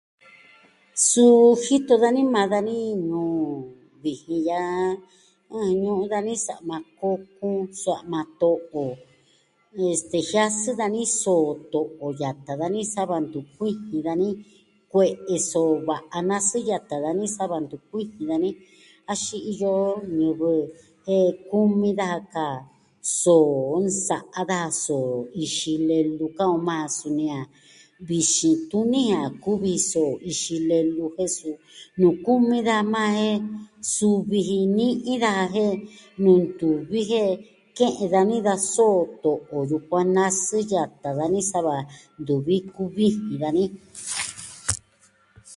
Suu jitu dani maa dani nuu vijin ya'a jin ñu'un dani sa'ma kokun, suu sa'ma to'o. este, jiasɨ dani soo to'o yata dani sava ntu kuvijin dani. Kue'e soo va a nasɨ yata dani sava ntu kuvijin dani, axin iyo ñivɨ jen kumi daja ka soo, nsa'a daja soo ixi lelu ka'an on majan suni a vixin tuni a kuvi soo ixi lelu, jen suu nuu kumi daja majan jen suvi ji ni'i daja jen nuu ntuvi jen ke'en dani da soo to'o yukuan nasɨ yata sa va ntuvi kuvijin dani.